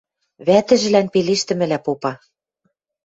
Вӓтӹжӹлӓн пелештӹмӹлӓ попа: